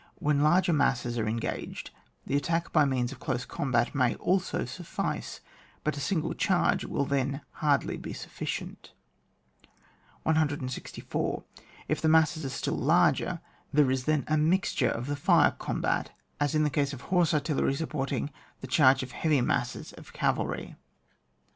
When larger masses are en gaged, the attack by means of close com bat may also suffice, but a single charge will then hardly be sufficient. 164. If the masses are still larger, there is then a mixture of the fire com bat, as in the case of horse artillery sup* porting the charge of heavy masses of cavalry.